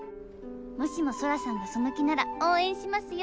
もしもソラさんがその気なら応援しますよ。